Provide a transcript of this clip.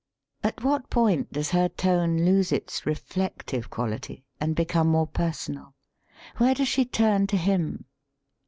At what point does her tone lose its reflective quality and become more personal? Where does she turn to him?